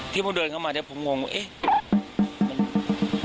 พวกเดินเข้ามาเนี่ยผมงงว่าเอ๊ะ